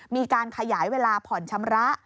มีการขยายเวลาผ่อนชำระ